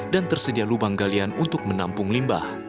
dan tersedia lubang galian untuk menampung limbah